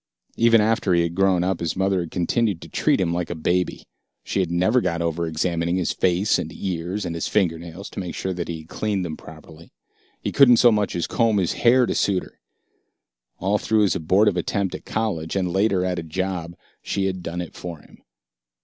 Even after he had grown up, his mother had continued to treat him like a baby. She had never got over examining his face and his ears and his fingernails to make sure that he had cleaned them properly. He couldn't so much as comb his hair to suit her; all through his abortive attempt at college, and later at a job, she had done it for him.